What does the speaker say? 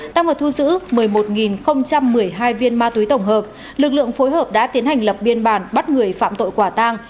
tăng vào thu giữ một mươi một một mươi hai viên ma túy tổng hợp lực lượng phối hợp đã tiến hành lập biên bản bắt người phạm tội quả tang